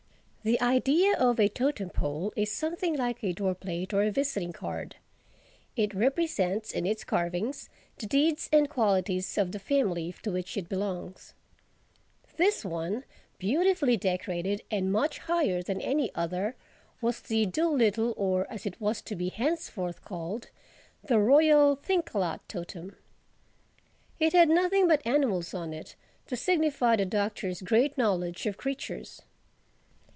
The idea of a totem pole is something like a door plate or a visiting card. It represents in its carvings the deeds and qualities of the family to which it belongs. This one, beautifully decorated and much higher than any other, was the Dolittle or, as it was to be henceforth called, the Royal Thinkalot totem. It had nothing but animals on it, to signify the Doctor's great knowledge of creatures.